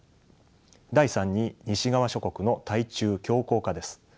第３に西側諸国の対中強硬化です。